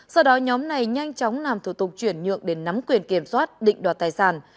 sau đó nhóm này nhanh chóng làm thủ tục chuyển nhượng để nắm quyền kiểm soát định đoạt tài sản